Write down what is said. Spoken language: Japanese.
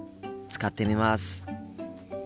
使ってみます。